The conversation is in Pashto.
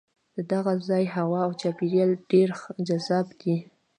د دغه ځای هوا او چاپېریال ډېر جذاب دی.